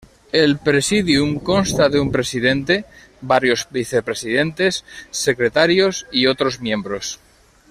El Presidium consta de un Presidente, varios vicepresidentes, secretarios y otros miembros.